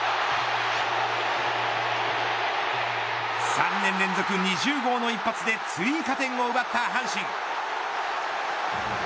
３年連続２０号の一発で追加点を奪った阪神。